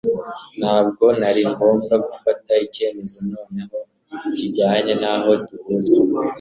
ntabwo ari ngombwa gufata icyemezo noneho kijyanye n'aho duhurira